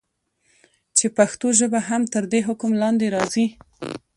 چې پښتو ژبه هم تر دي حکم لاندي راځي.